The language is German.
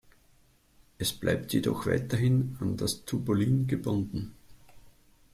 Es bleibt jedoch weiterhin an das Tubulin gebunden.